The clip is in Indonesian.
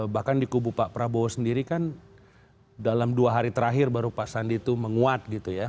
bahkan di kubu pak prabowo sendiri kan dalam dua hari terakhir baru pak sandi itu menguat gitu ya